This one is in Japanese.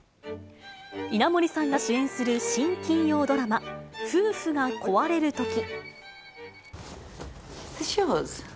稲森さんが主演する新金曜ドラマ、夫婦が壊れるとき。